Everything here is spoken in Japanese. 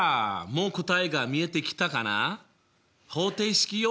もう答えが見えてきたかな？